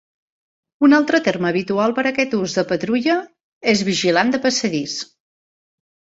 Un altre terme habitual per a aquest ús de "patrulla" és "vigilant de passadís".